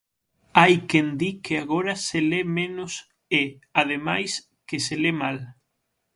Hai quen di que agora se le menos e, ademais, que se le mal.